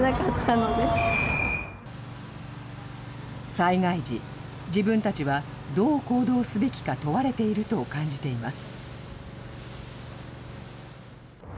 災害時、自分たちはどう行動すべきか問われていると感じています。